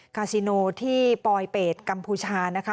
คาซิโนที่ปลอยเป็ดกัมพูชานะคะ